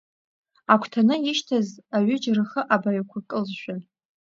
Агәҭаны ишьҭаз аҩыџьа, рхы абаҩқәа кылжәжәан.